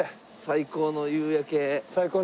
最高の夕焼け。